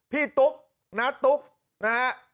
ตุ๊กณตุ๊กนะฮะ